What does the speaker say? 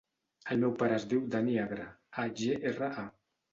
El meu pare es diu Dani Agra: a, ge, erra, a.